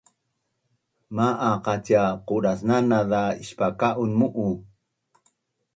Ma’aq qa cia qudasnanaz za ispaka’un mu’u?